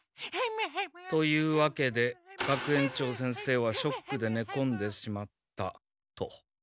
というわけで学園長先生はショックでねこんでしまったと。